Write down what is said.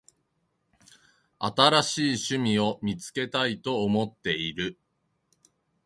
新しい趣味を見つけたいと思っている。